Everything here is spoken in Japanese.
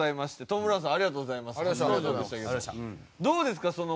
どうですか？